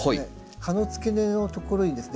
葉の付け根のところにですね